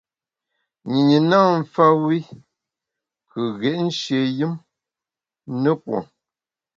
Nyinyi nâ mfa wi kù ghét nshié yùm ne pue.